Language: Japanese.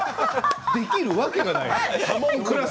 できるわけがない。